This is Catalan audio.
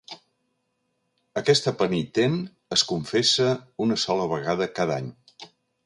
Aquesta penitent es confessa una sola vegada cada any.